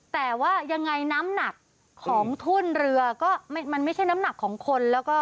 แต่ว่ายังไงน้ำหนักของทุ่นเรือก็มันไม่ใช่น้ำหนักของคนแล้วก็